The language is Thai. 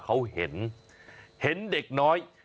เขาเห็นเห็นเด็กน้อย